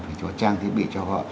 phải trỏ trang thiết bị cho họ